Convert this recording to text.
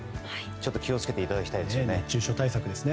ちょっと気を付けていただきたいですね。